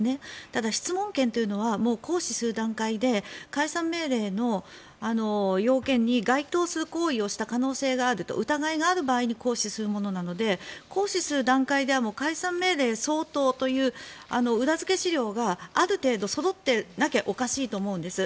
ただ、質問権というのは行使する段階で解散命令の要件に該当する行為をした可能性があると疑いがある場合に行使するものなので行使する段階では解散命令相当という裏付け資料がある程度そろっていなきゃおかしいと思うんです。